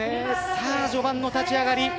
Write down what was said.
序盤の立ち上がり。